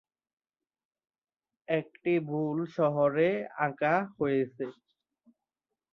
একটি 'ভুল' শহরে আঁকা হয়েছে।